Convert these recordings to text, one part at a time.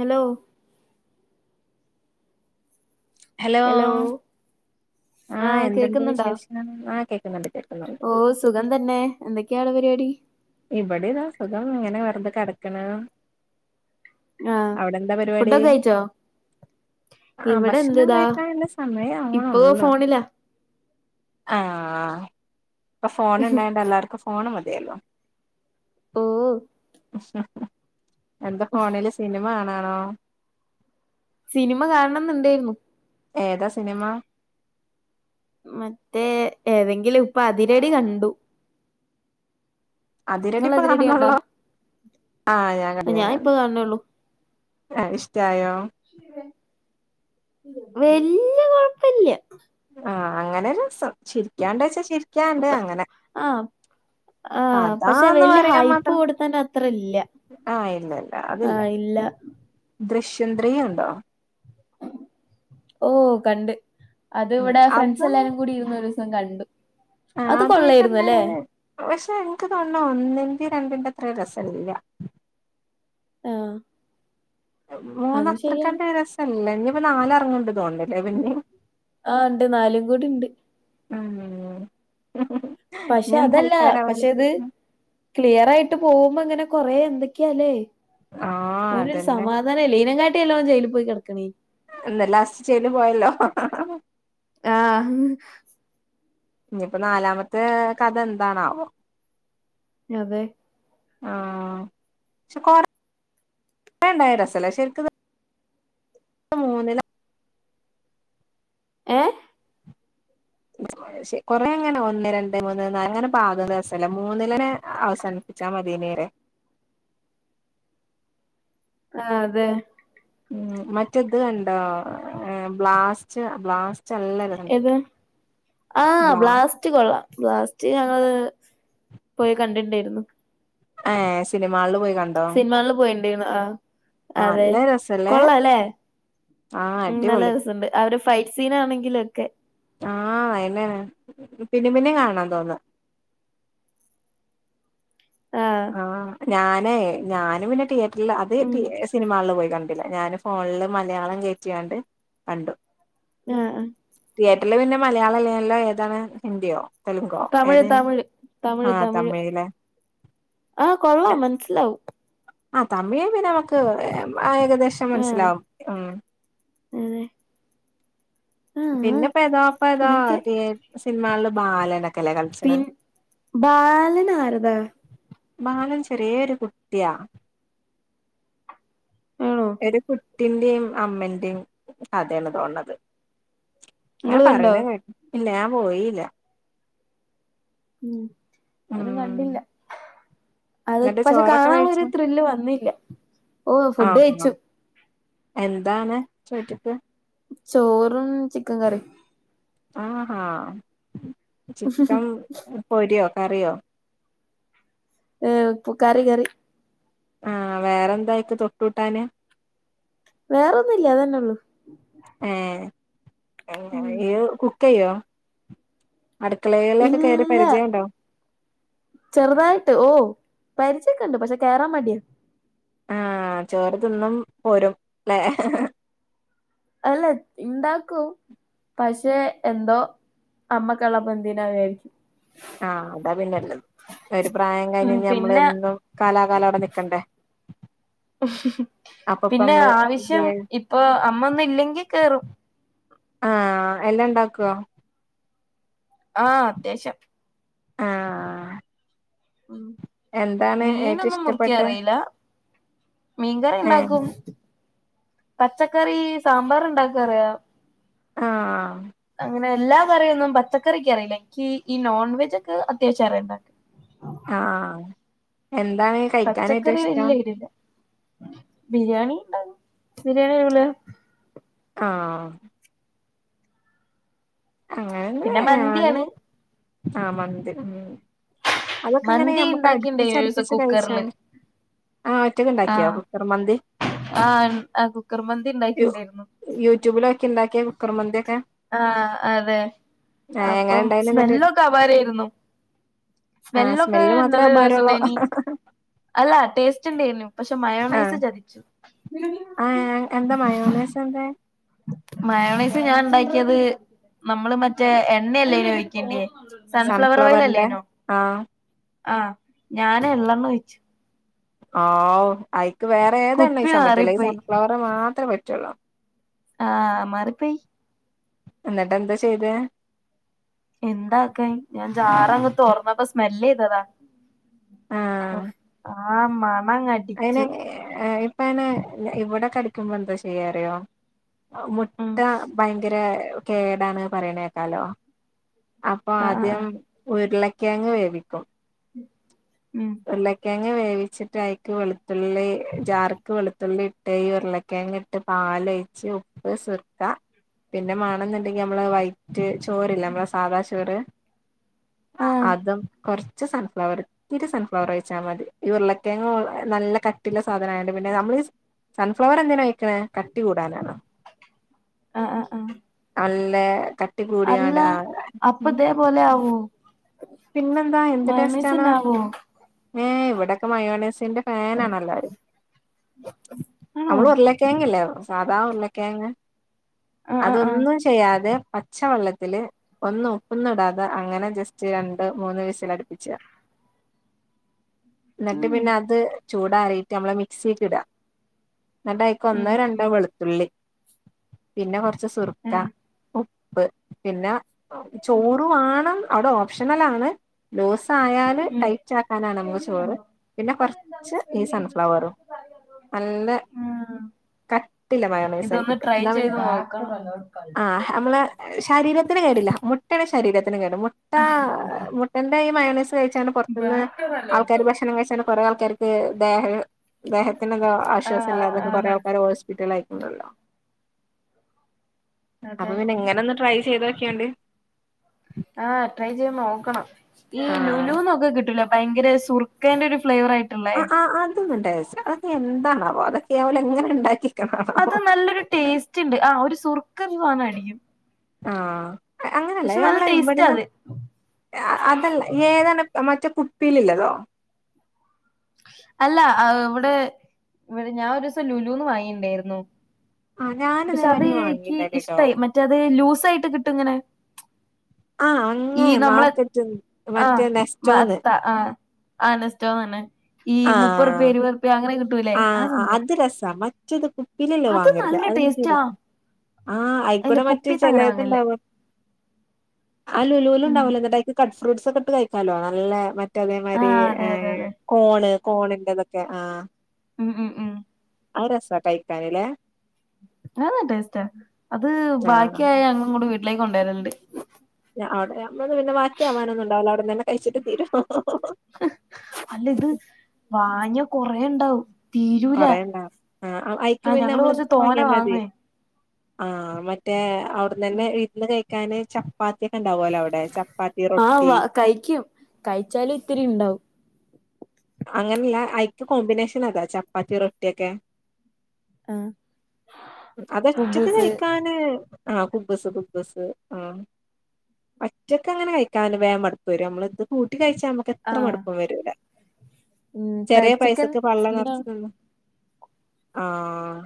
Hello hello ആഹ് എന്തുണ്ട് വിശേഷ ആഹ് കേൾക്കുന്നുണ്ട് കേക്കുന്നുണ്ട് ഓ സുഖം തന്നെ എന്തൊക്കെയാണ് പരിപാടി ഇവിടെ ഇതാ സുഖം ഇങ്ങനെ വെറുതെ കിടക്കണ് ആഹ് അവിടെന്താ പരിപാടി ഫുഡൊക്കെ കഴിച്ചോ ആഹ് ഇവിടെ ഭക്ഷണം എന്ത്‌താ കഴിക്കാനുള്ള സമയം ഇപ്പൊ അന്നുഉള്ള ഫോണിലാ ആഹ് ഇപ്പൊ ഫോൺ ഉണ്ടായോണ്ട് എല്ലാർക്കും ഫോൺ മതിയല്ലോ ഓ എന്താ ഫോണിൽ സിനിമ കാണാണോ സിനിമ കാണണംന്ന് ഇണ്ടേര്ന്നു ഏതാ സിനിമ മറ്റേ ഏതെങ്കിലും ഇപ്പൊ അതിരടി കണ്ടു അതിരടി നിങ്ങള് ഇപ്പൊ കണ്ടാ നടന്നാള്ളോ ആഹ് ഞാൻ ആ, കണ്ടു ഞാൻ ഇപ്പ കണ്ടു കാണണേള്ളൂ ആഹ് ഇഷ്ടായോ വല്ലിയ കൊഴപ്പില്ല ആഹ് അങ്ങനെ രസം ചിരിക്കാണ്ട വച്ചാ ചിരിക്കാണ്ട് ഇപ്പ അങ്ങനെ ആഹ് ആഹ് പക്ഷെ കഥാന്ന് വല്യ പറയാൻ ഹൈപ്പ് മാത്രം കൊടുത്തേ ന്റെ അത്ര ഇല്ല ആഹ് ഇല്ല ഇല്ല അതില്ല ആഹ് ഇല്ല ദൃശ്യം ത്രീ കണ്ടോ ഓ കണ്ട് അത് ഉം ഇവിടെ ഫ്രണ്ട്സ് അതും എല്ലാരും കൂടി ഇരുന്ന് ഒരു ദിവസം കണ്ടു അത് കൊള്ളായിരുന്നു അല്ലേ പക്ഷേ എനിക്ക് തോന്ന്ണ് ഒന്നിൻ്റെയും രണ്ടിൻ്റെ അത്രയും രസയില്ല ആഹ് മൂന്ന് അത്രക്കണ്ട് രസല്ല ഇഞ് ഇപ്പൊ നാല് അറങ്ങ്ണ്ട് തോൺണ് ആ ഉണ്ട് നാലും കൂടി ഉണ്ട് ഉം പക്ഷെ ഇഞ്ഞും അതല്ല സൽക്കാരാ പക്ഷെ ഇത് [unintelligible] ക്ലിയർ ആയിട്ട് പോകുമ്പോ ഇങ്ങനെ കൊറെ എന്തൊക്കെയല്ലേ ആഹ് ഓനരു അതന്നെ സമാധാന അതനല്ല ഇനങ്ങാട്ടിയെല്ലാം ജയിലിൽ പോയി കിടക്കണയിന്ന് എന്തല്ല ലസ്റ്റ് ചെയ്യന് പോയല്ലോ ആഹ് ഇനിയിപ്പോ നാലാമത്തെ കഥ എന്താണാവോ അതേ ആ പക്ഷെ കുറെണ്ടായ രസല്ല മൂന്നില ഏഹ കൊറെ അങ്ങനെ ഒന്ന് രണ്ട് മൂന്ന് അങ്ങനെ ഭാഗം രാസല്ല മൂന്നിലെനെ അവസാന പടിച്ചാ മതിന്ന് പറ ആഹ അതെ ഉം മറ്റേത് കണ്ടോ ബ്ലാസ്റ്റ് ബ്ലാസ്റ്റ് നല്ല രസണ്ട് ഏത് ആ ബ്ലാ ബ്ലാസ്റ്റ് ബ്ലാസ്റ്റ്കൊള്ളാം ബ്ലാസ്റ്റ് ഞങ്ങള് പോയി കണ്ടിട്ടുണ്ടായിരുന്നു ആഹ് സിനിഹാളിൽ പോയി കണ്ട സിനിഹാളിൽ പോയിണ്ടായിരുന്നു ആ ആ അതെ നല്ല രസല്ലേ കൊള്ളല്ലേ ആ മ്മം നല്ല അടിപൊളി രസണ്ട് ആ ഒരു ഫൈറ്റ് സീൻ ആണെങ്കിലൊക്കെ ആഹ് അനയനാണ് [inaudible] പിന്നെ പിന്നെ കാണാ തോന്നാ ആഹ് ആഹ് ഞാനേ ഞാനും പിന്നെ തിയേറ്ററിൽ അത് ഉം തി സിനിമാളിൽ പോയി കണ്ട് ഞാന് ഫോണില് മലയാളം കേറ്റിയാണ്ട് കണ്ടു ആഹ് ആഹ് തിയേറ്ററിൽ പിന്നെ മലയാളം അല്ല നല്ലത് ഏതാണ് ഹിന്ദിയോ തെലുങ്കോ തമിഴ് ഏതേന് തമിഴ് ആ തമിഴ് ലെ ആഹ് കൊള്ളാം മനസ്സിലാവും ആഹ് തമിഴ് പിന്നെ നമുക്ക് ആ ഏകദേശം ആ മനസ്സിലാവും ഉം അതെ ആ ആ പിന്നെ ഇപ്പ ഏതാ ഇപ്പ ഏതാ ഇങ്ങനൊക്കെ തിയ സിനിമാളിൽ ബാലന് പിൻ ബാലൻ ആരതാ ബാലൻ ചെറിയൊരു കുട്ടിയാ ആണോ എരു കുട്ടിന്റെയും അമ്മന്റെയും കഥയാണ് തോണത് ആ നിങ്ങള് കണ്ടോ പറണ കേട്ട് ഇല്ല ഞാപോയില്ല ഉം ഉം ആരും കണ്ടില്ല അത് എന്നിട്ട് പക്ഷെ ചോറൊക്കെ കാണാനുള്ള ഒരു കഴിച്ചോ ത്രില്ല് വന്നില്ല ഓ ഫുഡ് ആഹ് കഴിച്ചു എന്താണ് ചോറ്റുക്ക് ചോറും ചിക്കൻ കറിയും ആഹ് ഹാ ചിക്കൻ പൊരിയോ കറിയോ ഏഹ് പുകാറി കെറി ആഹ് വേറെ എന്തായിക്ക് തൊട്ടൂട്ടാന് വേറെ ഒന്നും ഇല്ല അതന്നെ ഉള്ളൂ ഉം ഏ കുക്ക് ചെയ്യുവോ അടുക്കളെലൊക്കെ കേറി ഇല്ല പരിചയണ്ടോ ചെറുതായിട്ട് ഓ പരിജയൊക്കെ ണ്ട് പക്ഷെ കേറാൻ മടിയ ആഹ് ചോർ തിന്നും പോരും ല്ലെ അല്ലെ ഇണ്ടാക്കും പക്ഷെ എന്തോ അമ്മക്കളപ്പൊ പന്തിനാ വെ ആ അതാ പിന്നെല് ഒരു പ്രായം ഉം കഴിഞ്ഞയീഞ്ഞ അമ്മള് പിന്നെ എന്നും കാലാകാലവ്ടെ നിക്കണ്ടേ അപ്പപ്പ പിന്നെ നമ്മള് ആവിശ്യം ഇപ്പൊ അമ്മന്നു ല്ലെങ്കി കേറും ആ എല്ലാ ണ്ടാക്കോ ആ അത്യാവശ്യം ആഹ് ഉം എന്താണ് ഏറ്റവും മീനൊന്നും ഇഷ്ടപ്പെട്ട ഏഹ് മീൻകറിണ്ടാക്കും പച്ചക്കറീ സാമ്പാർണ്ടാക്കാറിയാ ആഹ് അങ്ങനെ എല്ലാ കറിയൊന്നും പച്ചക്കറിക്കറീല ഇകീ ഈ നോൺ വെജ ഒക്കെ അത്യാവിശ്യം അറിയണ്ട ആ എന്താണ് കഴിക്കാൻ ഏറ്റവും പച്ചക്കറി ഇഷ്ടം വല്യ ഐഡിയല്ല ബിരിയാണിണ്ടാകും ബിരിയാണി [unintelligible] ആഹ് അങ്ങനെ പിന്നെ ഞാനും മന്തിയാണ് ആഹ് മന്തി ഉം അതൊക്കെ ഇങ്ങനെ മന്തി നമ്മക്ക് ഇണ്ടാക്കിണ്ടേനി ഒരീസം അടുപ്പിച്ചടുപ്പിച്ച് കഴിച്ചാന് ആ ആ ആ കുക്കർ മന്തി ണ്ടാക്കി ണ്ടായിരുന്നു യൂറ്റ്യൂബിലോക്കി ണ്ടാക്കിയ കുക്കർ മന്തിയൊക്കെ ആ അതെ എങ്ങനെ അപ്പം ഉണ്ടായിന് എന്നിട്ട് സ്മെല്ലൊക്കെ അപാരായിരുന്നു ആഹ് സ്മെല്ലൊക്കെ സ്മെല്ല് മാത്രേ നല്ല അപാരള്ളൂ രസൊണ്ടെയ്നി അല്ല ടേസ്റ്റ്ണ്ടെയ്‌നും പക്ഷെ ആഹ് മയോണൈസ് ചതിച് ആഹ് എന്താ [unintelligible] മയണൈസ് ഞാൻ ണ്ടാക്കിയത് നമ്മള് മറ്റേ എണ്ണല്ലെയ്നോഓയി കെണ്ടെ സൺഫ്ലവർ സൺഫ്ലവറിന്റെ ഓയലെല്ലെയ്നോ ആഹ് ആ ഞാനെളെണ്ണ ഒഴിച്ചു ആവു അയ്ക്ക്‌ വേറെതെണ്ണ കുപ്പി ഒഴിച്ചാൻ പറ്റൂല ഈ മാറിപ്പോയി സൺഫ്ലവറ് മാത്രേ പറ്റുള്ളൂ ആഹ് മാറിപ്പോയി എന്നട്ട് ന്താ ചെയ്തെ എന്താക്കാൻ ഞാൻ ജാറങ് തൊറ ന്നപ്പോ സ്മെല്ലെയ്തതാ ആഹ് ഓഹ് ആ മണ്ണങ്‌ അയിന് ഇപ്പ അനെ ഇവിടെ കടിക്കുമ്പോ ന്താ ചെയ്യാറിയോ ഉം മുട്ട ഭയങ്കര കേടാണ് പറയണേ ക്കാലോ അപ്പൊ ആഹ് ആഹ് ആദ്യം ആഹ് ഉരുളക്കേങ്ങ് വേവിക്കും ഉം ഉരുളക്കേങ്ങ് വേവിച്ചിട്ട് അയ്ക്ക് വെളുത്തുള്ളി ജാർക്ക് വെളുത്തുള്ളി ഇട്ട് ഈ ഉരുളക്കെങ്ങ് ട്ട് പാലൊഴിച്ച് ഉപ്പ് സ്ർക്ക പിന്നെ മണെന്നുണ്ടെങ്കി നമ്മള് വൈറ്റ് ചോറില്ലെ നമ്മളെ സാധാ ചോറ് ആ ആഹ് അതും കൊർച്ച് സൺഫ്ലവർ ഇത് സൺഫ്ലവർ ഒഴിച്ചാ മതി ഈ ഉരുളക്കേങ്ങ നല്ല കട്ടിയുള്ള സാധനം ആയോണ്ട് പിന്നെ നമ്മൾ ഈ സ് സൺഫ്ലവർ എന്തിനാ ഒയ്ക്കണേ കട്ടി കൂടാനാണോ? ആഹ് ആഹ് ആഹ് അൺ ലേ [unintelligible] അല്ല അപ്പതേപോലാവോ പിന്നെന്താ എന്ത് ടെസ്റ്റാണോ ഏഹ് ഇവിടെക്കെ മയോണേസിന്റെ ഫാനണല്ലാരും ആണോ അമ്മള് ഉർള്ളക്കെങ്ങ് ല്ലേ സാധാ ഉർള്ളക്കെങ്ങ് ആഹ് ആഹ് ആഹ് അതൊന്ന് ചെയ്യാതെ പച്ചവെള്ളത്തില് ഒന്നും ഉപ്പൊന്നിടാതെ അങ്ങനെ ജസ്റ്റ് മൂന്ന് വിസലടിപ്പിച്ച ഉം ന്നിട്ട്പിന്നെഎ ആത് ചൂടാറിയിട്ട് നമ്മള മിക്സീൽ ഇടുക. എന്നിട്ടൈക്ക് ഉം ഒന്നോ രണ്ടോ ഉം വെളുത്തുള്ളി പിന്നെ കൊറച്ച് സുർക്ക ആഹ് ഉപ്പ് പിന്നെ ചോറ് വേണം അവിടെ ഓപ്ഷനലാണ് ലൂസ് ആയാല് ഉം ടൈറ്റ് ആക്കാനാണ് നമുക്ക് ചോറ് പിന്നെ കുറച്ച് ഈ സൺഫ്ലവറും നല്ല ആ കട്ടില്ല മയോണൈസായി ഇതൊന്ന് കിട്ടും ട്രൈ എന്നാ പിന്നെ ചെയ്ത് നോക്കണം. ആഹ് നമ്മളെ ശരീരത്തിന് കേടില്ല മുട്ടയാണ് ശരീരത്തിന് കേട്ഇല്ല മുട്ട മുട്ടന്റെ ഈ മയനെയ്‌സ് കഴിച്ചാണ് പുറത്തുന്ന് ആൾക്കാർ ഭക്ഷണം കഴിച്ച കുറേ ആൾക്കാർക്ക് ദേഹം ദേഹത്തിന്ന്തോ ആശ്വാസം ആഹ് ഇല്ലാതെക്കെ കൊറേ ആഹ് ആൾക്കാര് ഹോസ് പ്പിറ്റലായിക്കണ്ടല്ലോ അതെ അപ്പൊ പിന്നെ ഇങ്ങനെ ഒന്ന് ട്രൈ ചെയ്ത് നോക്കിയൊണ്ട് ആഹ് ട്രൈ ചെയ്ത് നോക്കണം ഈ ആഹ് ലുലൂന്നൊക്കെ കിട്ടൂലെ ഭയങ്കര സുർക്കേന്റെ ഒരു ഫ്ലേവർ ആയിട്ട് ആ ആ അത് ഉണ്ടാച്ച [unintelligible] അതൊക്കെ എന്താണാവോ അതൊക്കെ ഓള് എങ്ങനെ ഉണ്ടാക്കി അത് നല്ലൊരു ടേസ്റ്റ് ഉണ്ട് ആ ഒരു സുറക്ക [unintelligible] ആഹ് അങ്ങനെയല്ലേ നല്ല നമ്മള് ടേസ്റ്റ് ഇവിടെന്നാ അത് അതല്ല ഏതാണ് മറ്റേ കുപ്പിയിലുള്ളതോ അല്ല ഇവിടെ ഇവിടെ ഞാൻ ഒരൂസം ലുലുന്ന് വാങ്ങി ഉണ്ടായിരുന്നു ആഹ് പക്ഷെ അത് ഞാനിതേമാതിരി ഇക്ക് വാങ്ങിണ്ടായിനിട്ടോ ഇഷ്ടായി മറ്റേ അത് ലൂസായിട്ട് കിട്ടും ഇങ്ങനെ ആഹ് ഈ അങ്ങനെ നമ്മളെ മാർക്കറ്റ്ന്ന് ആഹ് മറ്റേ നെസ്റ്റോന്ന് മത്ത ആഹ് ആ നെസ്റ്റോ തന്നെ ഈ മുപ്പത് ആഹ് റുപ്യ ഇരുപത് റുപ്യ അങ്ങനെ കിട്ടൂലേ ആ ആഹ് സംഭവം അത് രസാ മറ്റത് ഇല്ലില്ല അത് വാങ്ങലില്ല നല്ല അത് തീ ടേസ്റ്റാ ആ അല്ല അയിക്കൂടെ മറ്റേ കുപ്പിത്ത് അങ്ങനെ ചിലത് വാങ്ങല്ലേ ഉണ്ടാവല്ലോ ആ ലുലു ഉം. ഉണ്ടാവലോ എന്നിട്ട് അയിക്ക് കട്ട് ഫ്രൂസ് ഒക്കെ ഇട്ട് കഴിക്കാലോ നല്ലെ മ മറ്റേ ആ അതേമാതിരി അതെ അതെ അതെ കോണ് കോണിന്റെ ഇതൊക്കെ ആ ഉം ഉം അരസാ കയിക്കാനില്ലേ ആഹ് ടേസ്റ്റാ അത് ആഹ് ബാക്കിയായ ഞങ്ങള് ഇങ്ങോട്ട് വീട്ടിലേക്ക് കൊണ്ട് വരുലുണ്ട് ഞ അത് ഞമ്മളത് അത് പിന്നെ ബാക്കിയാവാനൊന്നും ഉണ്ടാവുല്ല അവിടെന്ന് തന്നെ കഴിച്ചിട്ട് തീരും അല്ല ഇത് വാങ്ങിയാ കൊറേ ഉണ്ടാവും തീരൂല കുറേ ഇണ്ടാവും ആ അയിക്ക് പിന്നെ ഞങ്ങള് നമ്മൾ കൊറച്ച് ഇത് തോനെ വാങ്ങിയ മതി വാങ്ങുവേ ആഹ് മറ്റേ അവിടന്ന് തന്നെ ഇരുന്ന് കഴിക്കാന് ചപ്പാത്തി ഒക്കെ ഉണ്ടാവലോ അവടെ ബെ ചപ്പാത്തി റൊട്ടി കഴിക്ക്യം കഴിച്ചാലും ഇത്തിരി ഉണ്ടാവും അങ്ങനെയല്ല അയിക്ക് കോമ്പിനേഷൻ അതാ ചപ്പാത്തി റൊട്ടിയൊക്കെ ആ അത് ഒറ്റക്ക് കുബൂസ് കഴിക്കാൻ ആഹ് കുബുസ് കുബുസ് ആഹ് ഒറ്റക്കങ്ങെനെ കഴിക്കാന് വേഗം മടുപ്പ് വരും നമ്മള് ഇത് കൂട്ടി കഴിച്ചാ നമ്മക്ക് എത്ര ആഹ് മടുപ്പും വരൂല ഉം ചെറിയ ഫ്രൈഡ് ചിക്കൻ പൈസക്ക് പള്ള നെറച്ച് സീനാണ് തിന്നും ആഹ്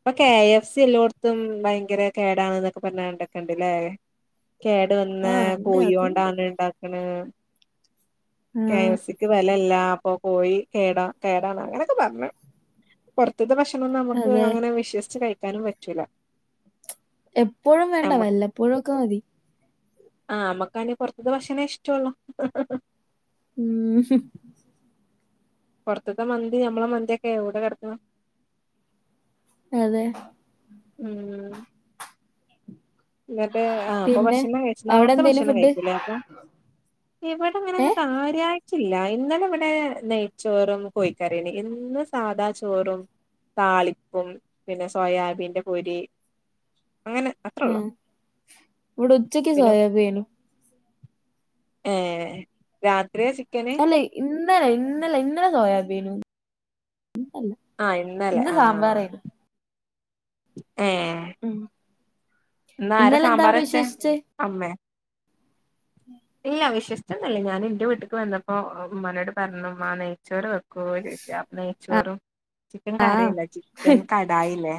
ഇപ്പൊ കെ ഐ എഫ് സി എല്ലോടത്തും ഭയങ്കര കേടാണ് എന്നൊക്കെ പറഞ്ഞണ്ടൊക്കെ ഉണ്ട്ല്ലേ കേടു വന്ന ആഹ് ഉണ്ട് അതുണ്ട് കോഴിയോണ്ടാണ് ഇണ്ടാക്ക്ണേ ആഹ് കെഎഫ്സിക്ക് വെലല്ലാ അപ്പൊ കോഴി കേടാ കേടാണ് അങ്ങനെയൊക്കെ പറഞ്ഞ് പൊറത്ത്ത്തെ ഭക്ഷണൊന്നും നമുക്ക് അതെ അങ്ങനെ വിശ്വസിച്ച് കഴിക്കാനും പറ്റൂല എപ്പോഴും വേണ്ട നമ്മ വല്ലപ്പോഴോക്കെ മതി ആഹ് നമ്മക്കാന് പൊറത്ത്തെ ഭക്ഷണേ ഇഷ്ട്ടൊള്ളൂ ഉം പുറത്തത്തെ മന്തി ഞമ്മളെ മന്തി ഒക്കെ എവിടാ കിടക്കണെ അതെ ഉം ഉം എന്നിട്ട് ആഹ് അപ്പൊ പിന്നെ ഭക്ഷണം കഴിച്ചു അവിടെ നാർത്തെ എന്തേനു ഭക്ഷണം ഫുഡ് കഴിക്കും ല്ലേ അപ്പൊ ഇവിടെ അങ്ങനെ ഒന്നും ഏഹ് കാര്യായിട്ട് ഇല്ല ഇന്നലെ ഇവിടെ നെയ്ച്ചോറും കോയി ക്കറിയാണ് എന്നും സാധാ ചോറും താളിപ്പും പിന്നെ സോയാബീന്റെ പൊരി അങ്ങനെ അത്രേ ഒള്ളൂ ആഹ് ഇവിടെ ഉച്ചക്ക് പിന്നെ സോയാബീയേനു ഏഹ് രാത്രിയാ ചി അല്ല ഇന്നലെ ഇന്നലെ ഇന്നലെ സോയാബീയേനു ഇന്നല്ല ആഹ് ഇന്നലെ ആഹ് ഏഹ് ഉം ഇന്ന് ആരാ ഇന്നലെന്താ സാമ്പാർ അവിടെ വെച്ചേ വിശേഷിച്ച് അമ്മേ ഇല്ല വിശേഷ്ട്ടോന്നുല്ല ഞാൻ എന്റെ വീട്ട്ക്ക് വന്നപ്പോ ഉമ്മാനോട് പറഞ്ഞു ഉമ്മാ നെയ്ച്ചോർ വെ കോഴി വെച്ച നെയ്ച്ചോറും ക്കൻ ആ കറിയല്ല ചിക്കൻകടായിലേ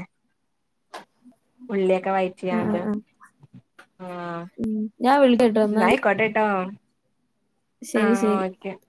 ഉള്ളിയൊക്കെ ആഹ് വയറ്റിയാണ്ട് ആഹ് ആഹ് ഉം ഞാൻ വിളിക്കാട്ടോന്നാല് പൊട്ടേട്ടോ ശെരി ശെരി ക്കേ